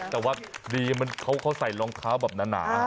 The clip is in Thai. แต่ว่าดีเขาใส่รองเท้าแบบหนา